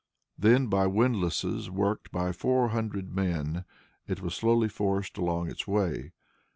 Then, by windlasses, worked by four hundred men, it was slowly forced along its way.